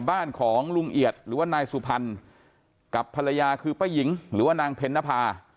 บ้านของลุงเอียดหรือว่านายสุพรรณกับภรรยาคือป้าหญิงหรือว่านางเพ็ญนภา